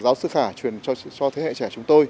giáo sư khả truyền cho thế hệ trẻ chúng tôi